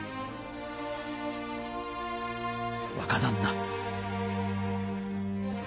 若旦那。